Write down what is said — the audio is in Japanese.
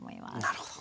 なるほど。